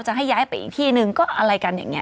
ให้ย้ายไปอีกที่หนึ่งก็อะไรกันอย่างนี้